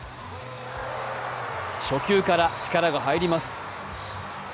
初球から力が入ります。